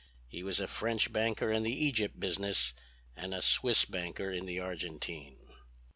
He was a French banker in the Egypt business and a Swiss banker in the Argentine."